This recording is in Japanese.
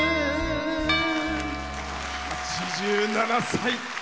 ８７歳。